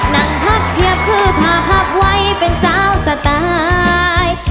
นั่งพักเพียบคือพาหักไว้เป็นสาวสไตล์